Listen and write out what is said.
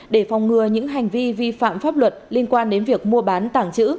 để phòng ngừa những hành vi vi phạm pháp luật liên quan đến việc mua bán tàng trữ